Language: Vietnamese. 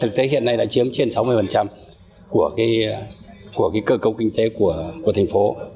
thực tế hiện nay đã chiếm trên sáu mươi của cơ cấu kinh tế của thành phố